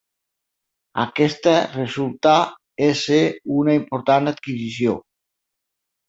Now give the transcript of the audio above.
Aquesta resultà ésser una important adquisició.